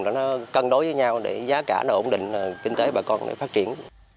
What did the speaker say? nó cân đối với nhau để giá cả nó ổn định kinh tế bà con nó phát triển